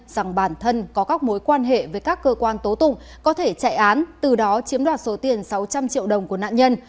rằng bản thân có các mối quan hệ với các cơ quan tố tụng có thể chạy án từ đó chiếm đoạt số tiền sáu trăm linh triệu đồng của nạn nhân